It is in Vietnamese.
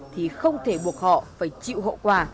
thì không thể buộc họ phải chịu hậu quả